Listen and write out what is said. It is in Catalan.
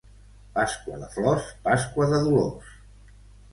Pasqua de flors, pasqua de dolors.